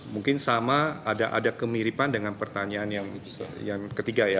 mungkin sama ada kemiripan dengan pertanyaan yang ketiga ya